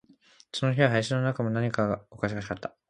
その日は林の中も、何かがおかしかった